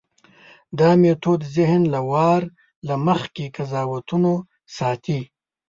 دا میتود ذهن له وار له مخکې قضاوتونو ساتي.